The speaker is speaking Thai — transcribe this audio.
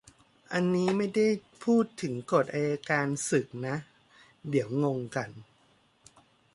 อันนี้ไม่พูดถึงกฎอัยการศึกนะ เดี๋ยวงงกัน